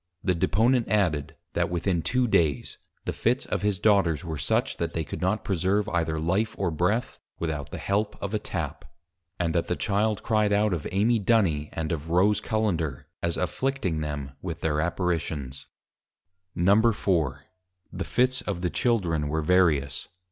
_ The Deponent added, that within Two Days, the Fits of his Daughters were such, that they could not preserve either Life or Breath, without the help of a Tap. And that the Children Cry'd out of Amy Duny, and of Rose Cullender, as afflicting them with their Apparitions. IV. The Fits of the Children were various.